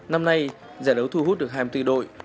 năm nay giải đấu thu hút được hai mươi bốn đội